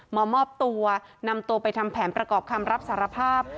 มามอบตัวนำตัวไปทำแผนประกอบคำรับสารภาพ